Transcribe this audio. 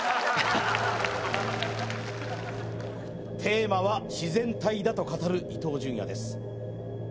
テーマは自然体だと語る伊東純也です